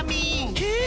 えっ？